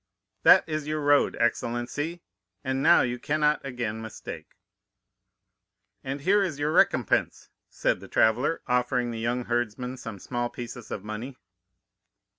"'That is your road, excellency, and now you cannot again mistake.' "'And here is your recompense,' said the traveller, offering the young herdsman some small pieces of money.